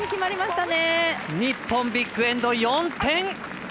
日本、ビッグエンド４点！